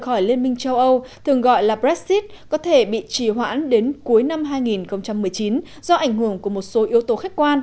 khỏi liên minh châu âu có thể bị trì hoãn đến cuối năm hai nghìn một mươi chín do ảnh hưởng của một số yếu tố khách